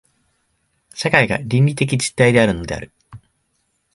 社会が倫理的実体であるのである。